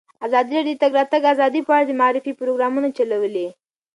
ازادي راډیو د د تګ راتګ ازادي په اړه د معارفې پروګرامونه چلولي.